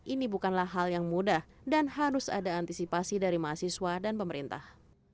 ini bukanlah hal yang mudah dan harus ada antisipasi dari mahasiswa dan pemerintah